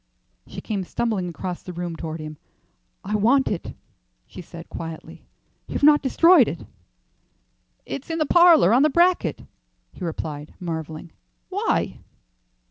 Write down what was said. She came stumbling across the room toward him. "I want it," she said, quietly. "You've not destroyed it?" "It's in the parlour, on the bracket," he replied, marvelling. "Why?"